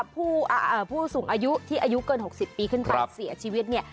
ผู้สูงอายุที่อายุเกิน๖๐ปีขึ้นไปเสียชีวิตเนี่ย